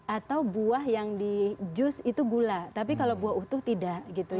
atau buah yang di jus itu gula tapi kalau buah utuh tidak gitu